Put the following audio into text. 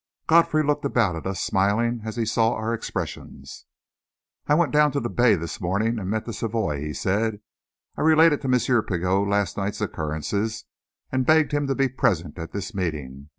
Godfrey looked about at us, smiling as he saw our expressions. "I went down the bay this morning and met the Savoie," he said. "I related to M. Pigot last night's occurrences, and begged him to be present at this meeting.